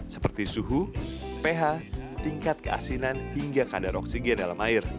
seperti suhu ph tingkat keasinan hingga kadar oksigen dalam air